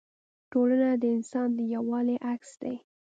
ټولنه د انسان د یووالي عکس دی.